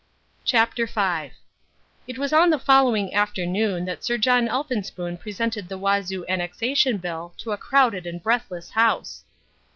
CHAPTER V It was on the following afternoon that Sir John Elphinspoon presented the Wazoo Annexation Bill to a crowded and breathless House.